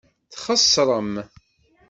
Txeṣrem.